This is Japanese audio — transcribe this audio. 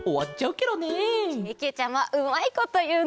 けけちゃまうまいこというね！